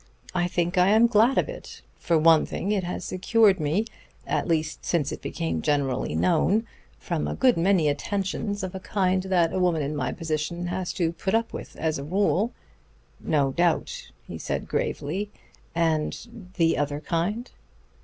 I think I am glad of it. For one thing, it has secured me at least since it became generally known from a good many attentions of a kind that a woman in my position has to put up with as a rule." "No doubt," he said gravely. "And ... the other kind?"